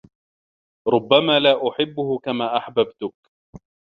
ربّما لا أحبّه كما أحببتك.